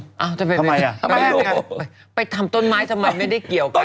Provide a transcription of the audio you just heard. อ้าวทำไมอ่ะทำไมอ่ะไปทำต้นไม้ทำไม่ได้เกี่ยวกัน